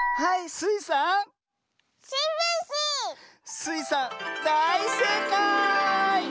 スイさんだいせいかい！